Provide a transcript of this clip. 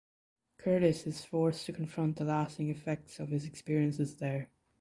Curtis is forced to confront the lasting effects of his experiences there.